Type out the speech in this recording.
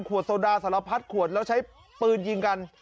โซดาสารพัดขวดแล้วใช้ปืนยิงกัน